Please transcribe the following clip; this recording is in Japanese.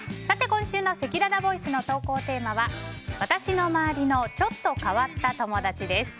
今週のせきららボイスの投稿テーマは私の周りのちょっと変わった友達です。